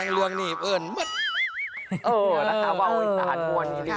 แห่งเรืองนี่เอิญมัดเออรักษาความเอิญสาดหวนคือดี